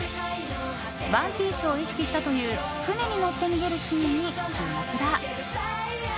「ＯＮＥＰＩＥＣＥ」を意識したという船に乗って逃げるシーンに注目だ。